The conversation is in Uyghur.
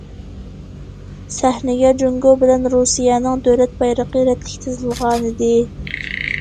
سەھنىگە جۇڭگو بىلەن رۇسىيەنىڭ دۆلەت بايرىقى رەتلىك تىزىلغانىدى.